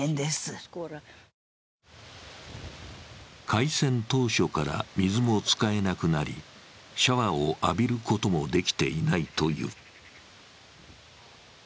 開戦当初から水も使えなくなりシャワーを浴びることもできていないという。